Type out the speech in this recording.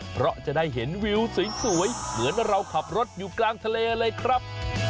เพราะจะได้เห็นวิวสวยเหมือนเราขับรถอยู่กลางทะเลเลยครับ